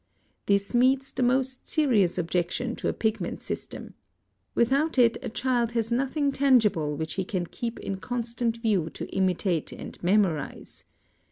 This meets the most serious objection to a pigment system. Without it a child has nothing tangible which he can keep in constant view to imitate and memorize.